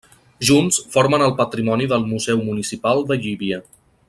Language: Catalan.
Junts formen el patrimoni del Museu Municipal de Llívia.